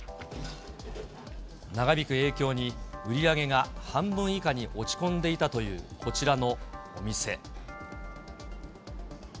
長引く影響に売り上げが半分以下に落ち込んでいたというこちらのお店。